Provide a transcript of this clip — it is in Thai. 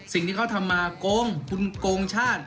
สิ่งที่เขาทำมาโกงคุณโกงชาติ